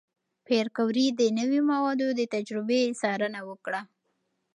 پېیر کوري د نوې موادو د تجربې څارنه وکړه.